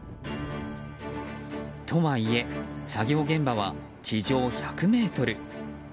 とはいえ作業現場は地上１００ｍ。